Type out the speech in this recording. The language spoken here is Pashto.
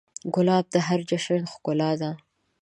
ګلاب د هر جشن ښکلا ده.